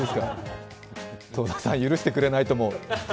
戸田さん、許してくれないと思う。